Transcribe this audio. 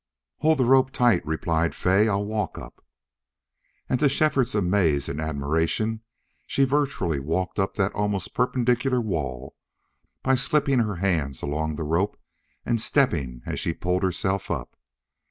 "Hold the rope tight," replied Fay, "I'll walk up." And to Shefford's amaze and admiration, she virtually walked up that almost perpendicular wall by slipping her hands along the rope and stepping as she pulled herself up.